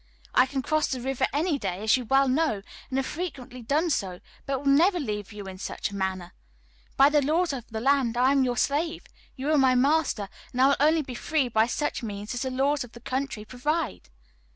I can cross the river any day, as you well know, and have frequently done so, but will never leave you in such a manner. By the laws of the land I am your slave you are my master, and I will only be free by such means as the laws of the country provide."